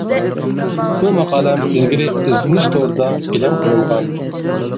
بۇ ماقالەم ئىلگىرى ئىزدىنىش تورىدا ئېلان قىلىنغان.